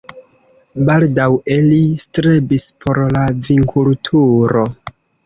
Baldaŭe li strebis por la vinkulturo.